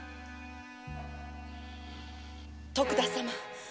徳田様